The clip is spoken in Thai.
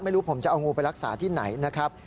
ไม่รู้ผมจะเอางูไปรักษาที่ไหนนะครับ